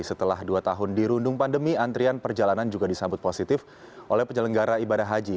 setelah dua tahun dirundung pandemi antrian perjalanan juga disambut positif oleh penyelenggara ibadah haji